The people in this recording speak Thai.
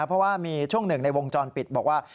เพราะว่ามีช่วงหนึ่งในวงจรปิดบอกว่า